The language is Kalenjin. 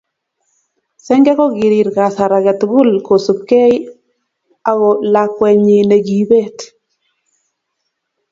Senge kokirir kasar age tugul kosupgei ako lakwenyi nekibet.